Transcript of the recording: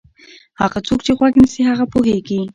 هغه څوک چې غوږ نیسي هغه پوهېږي.